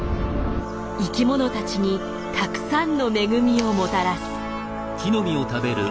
生きものたちにたくさんの恵みをもたらす。